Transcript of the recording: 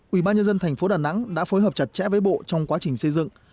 ủy ban nhân dân thành phố đà nẵng đã phối hợp chặt chẽ với bộ trong quá trình xây dựng